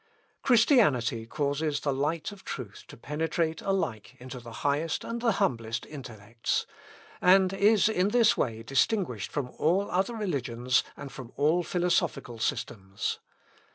Christianity causes the light of truth to penetrate alike into the highest and the humblest intellects, and is in this way distinguished from all other religions, and from all philosophical systems.